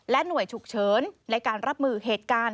หน่วยฉุกเฉินในการรับมือเหตุการณ์